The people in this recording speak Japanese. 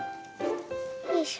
よいしょ。